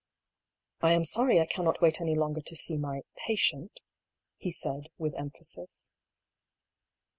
" I am sorry I cannot wait any longer to see mj pa tient" he said with emphasis.